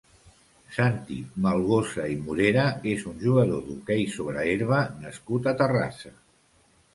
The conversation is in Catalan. Santi Malgosa i Morera és un jugador d'hoquei sobre herba nascut a Terrassa.